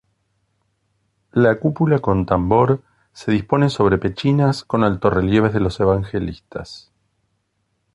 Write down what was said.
La cúpula con tambor se dispone sobre pechinas con altorrelieves de los evangelistas.